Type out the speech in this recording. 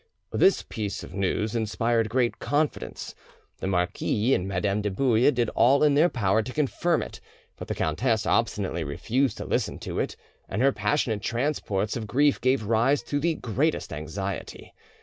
This piece of news inspired great confidence. The marquis and Madame de Bouille did all in their power to confirm it, but the countess obstinately refused to listen to it, and her passionate transports of grief gave rise to the greatest anxiety.